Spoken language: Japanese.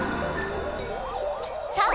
さあ！